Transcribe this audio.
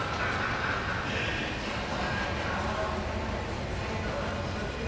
ちょっと顔が売れたからって大層な口をきくじゃないか。